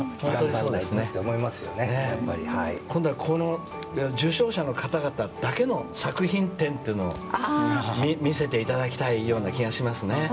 今度は受賞者の方々だけの作品展を見せていただきたいような気がします。